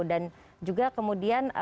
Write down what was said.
dan juga kemudian